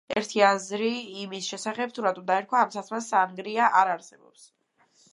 ერთი აზრი იმის შესახებ, თუ რატომ დაერქვა ამ სასმელს „სანგრია“ არ არსებობს.